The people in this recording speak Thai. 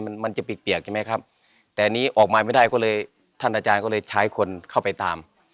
มันมันจะเปียกใช่ไหมครับแต่อันนี้ออกมาไม่ได้ก็เลยท่านอาจารย์ก็เลยใช้คนเข้าไปตาม